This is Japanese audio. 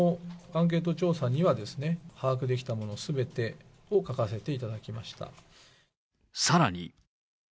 アンケート調査には把握できたものすべてを書かせていただきさらに。